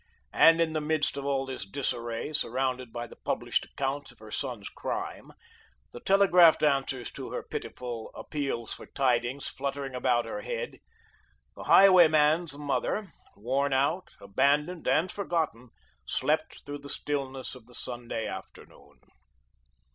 And in the midst of all this disarray, surrounded by the published accounts of her son's crime, the telegraphed answers to her pitiful appeals for tidings fluttering about her head, the highwayman's mother, worn out, abandoned and forgotten, slept through the stillness of the Sunday afternoon.